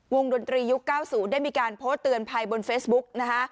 ดนตรียุค๙๐ได้มีการโพสต์เตือนภัยบนเฟซบุ๊กนะคะ